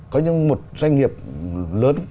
có những một doanh nghiệp lớn